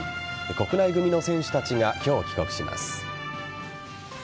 国内組の選手たちが今日帰国します。